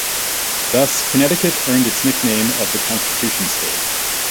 Thus, Connecticut earned its nickname of "The Constitution State".